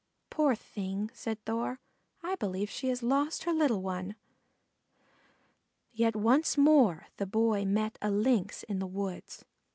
"Poor thing," said Thor, "I believe she has lost her little one." Yet once more the Boy met a Lynx in the woods.